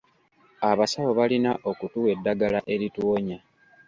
Abasawo balina okutuwa eddagala erituwonya.